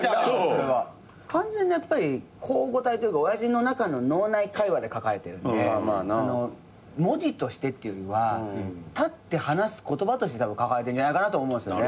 完全にやっぱり口語体というか親父の中の脳内会話で書かれてるんで文字としてってよりは立って話す言葉として書かれてるんじゃないかなと思うんすよね